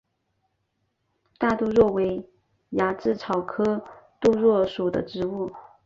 大杜若为鸭跖草科杜若属的植物。